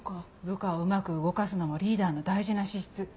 部下をうまく動かすのもリーダーの大事な資質。